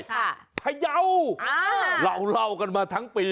ค่ะพะเยาว์เราเล่ากันมาทั้งปี